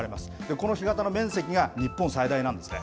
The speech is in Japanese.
この干潟の面積が日本最大なんですね。